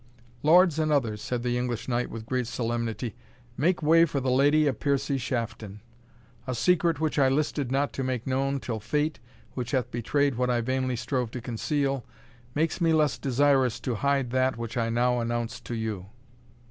"Lords and others," said the English knight with great solemnity, "make way for the Lady of Piercie Shafton a secret which I listed not to make known, till fate, which hath betrayed what I vainly strove to conceal, makes me less desirous to hide that which I now announce to you."